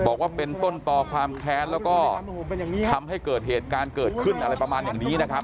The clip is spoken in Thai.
บอกว่าเป็นต้นต่อความแค้นแล้วก็ทำให้เกิดเหตุการณ์เกิดขึ้นอะไรประมาณอย่างนี้นะครับ